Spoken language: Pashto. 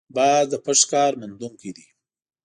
باز د پټ ښکار موندونکی دی